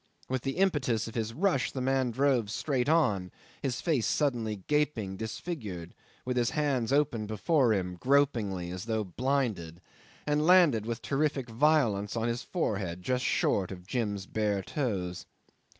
With the impetus of his rush the man drove straight on, his face suddenly gaping disfigured, with his hands open before him gropingly, as though blinded, and landed with terrific violence on his forehead, just short of Jim's bare toes.